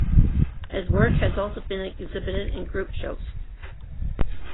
His work has also been exhibited in group shows.